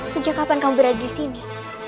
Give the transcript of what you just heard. sejak kapan kamu berada di sini